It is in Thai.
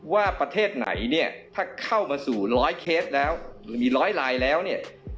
ว่าประเทศไหนเนี่ยถ้าเข้ามาสู่ร้อยเคสแล้วหรือมีร้อยลายแล้วเนี่ย